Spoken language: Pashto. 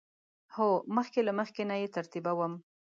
هو، مخکې له مخکی نه یی ترتیبوم